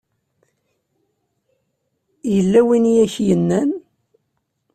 Yella win i ak-yennan?